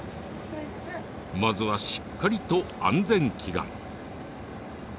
まずはしっかりと安全祈願。